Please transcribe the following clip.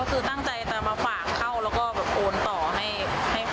ก็คือตั้งใจจะมาฝากเข้าแล้วก็แบบโอนต่อให้